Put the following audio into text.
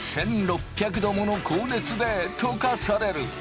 １，６００℃もの高熱で溶かされる。